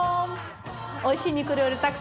おいしい肉料理